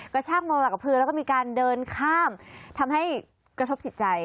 กระชากมองหลักกับพื้นแล้วก็มีการเดินข้ามทำให้กระทบจิตใจ